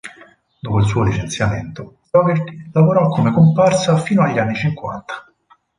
Dopo il suo licenziamento, Dougherty lavorò come comparsa fino agli anni cinquanta.